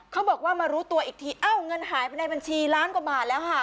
เขาบอกว่ามารู้ตัวอีกทีอ้าวเงินหายไปในบัญชีล้านกว่าบาทแล้วค่ะ